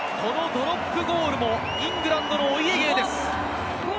ドロップゴールもイングランドのお家芸です。